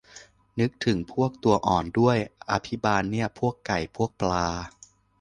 นึกถึงพวกตัวอ่อนด้วย อภิบาลเนี่ย พวกไก่ พวกปลา